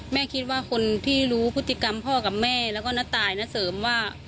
แม่คิดว่าคนที่รู้พฤติกรรมพ่อกับแม่แล้วก็น้าตายณเสริมว่า